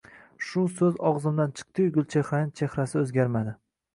Shu so`z og`zimdan chiqdi-yu, Gulchehraning chehrasi o`zgardi